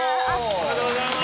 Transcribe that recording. おめでとうございます！